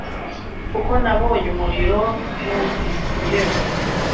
kuko nabonye umuriro numvise ibirego